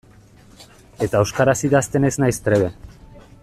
Eta euskaraz idazten ez naiz trebe.